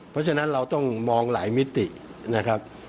เพราะฉะนั้นเราต้องมองหลายมิตินะครับ